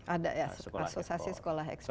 ada ya asosiasi sekolah ekstra